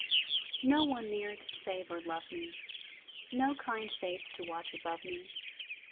No one near to save or love me! No kind face to watch above me!